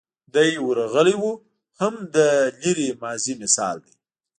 دی ورغلی و هم د لرې ماضي مثال دی.